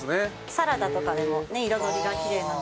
サラダとかでも彩りがきれいなので。